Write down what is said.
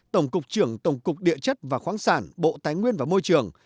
tổng cục trưởng tổng cục địa chất và khoáng sản bộ tái nguyên và môi trường